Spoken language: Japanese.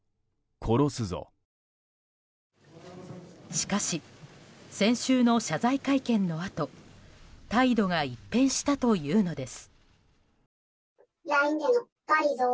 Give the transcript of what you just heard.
しかし、先週の謝罪会見のあと態度が一変したというのです。